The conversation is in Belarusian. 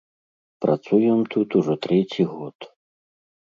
Працуем тут ужо трэці год.